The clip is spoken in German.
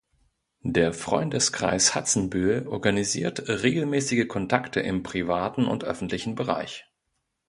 Der "Freundeskreis Hatzenbühl" organisiert regelmäßige Kontakte im privaten und öffentlichen Bereich.